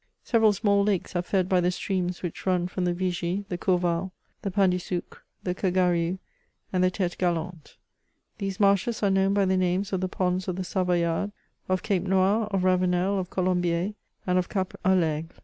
Several small lakes are fed by the streams which run from the Vigie, the Courval, the Pain du Sucre, the Kergariou, and the T^te Galante These marshes are known by the names of the Ponds of the Savoyard, of Cape Noir, of Ravenel, of Colombier, and of Cap ^ FAigle.